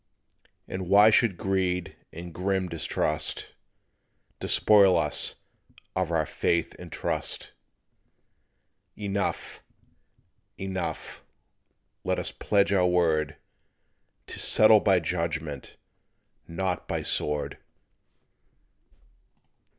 "And why should greed and grim distrust Despoil us of our faith and trust? Enough, enough, let us pledge our word To settle by judgment, not by sword.